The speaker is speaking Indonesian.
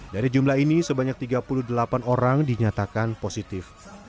dari jumlah ini sebanyak tiga puluh delapan orang dinyatakan positif